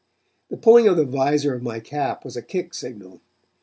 The pulling of the visor of my cap was a kick signal.